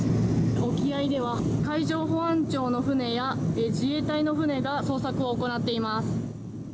沖合では海上保安庁の船や自衛隊の船が捜索を行っています。